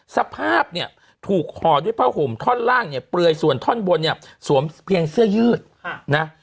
สภาพเนี่ยถูกห่อด้วยผ้าห่มท่อนล่างเนี่ยเปลือยส่วนท่อนบนเนี่ยสวมเพียงเสื้อยืดนะ